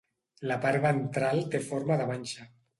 La part ventral té forma de manxa.